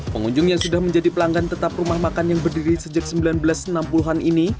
pengunjung yang sudah menjadi pelanggan tetap rumah makan yang berdiri sejak seribu sembilan ratus enam puluh an ini